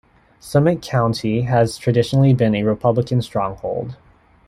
Summit County has traditionally been a Republican stronghold.